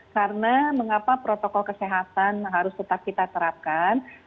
karena mengapa protokol kesehatan harus tetap kita terapkan